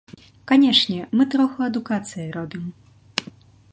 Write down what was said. Канешне, мы троху адукацыі робім.